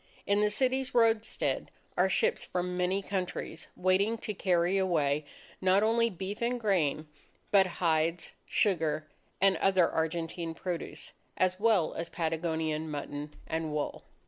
In the city's roadstead, are ships from many countries waiting to carry away not only beef and grain, but hides, sugar, and other Argentine produce, as well as Patagonian mutton and wool.